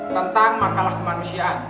tentang makalah kemanusiaan